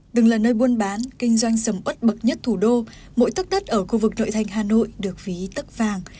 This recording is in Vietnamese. từng là nơi buôn bán kinh doanh sầm ớt bậc nhất thủ đô mỗi tấc đất ở khu vực nội thành hà nội được ví tất vàng